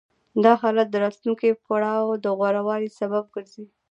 دا حالت د راتلونکي پړاو د غوره والي سبب ګرځي